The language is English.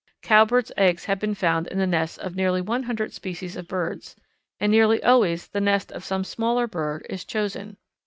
Cowbird's eggs have been found in the nests of nearly one hundred species of birds, and nearly always the nest of some smaller bird is chosen.